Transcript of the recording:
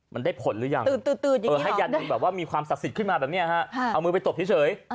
มันได้ผลรึยังให้ยันขึ้นมาแบบนี้ฮะเอามือไปตบเฉย